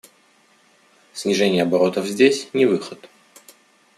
Снижение оборотов здесь — не выход.